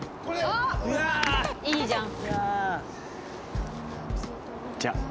あっいいじゃん。